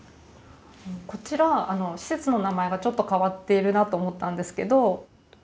こちら施設の名前がちょっと変わっているなと思ったんですけど。